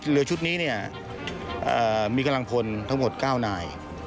เรือชุดนี้มีกำลังพลทั้งหมด๙นาย